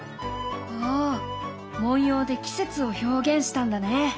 お文様で季節を表現したんだね。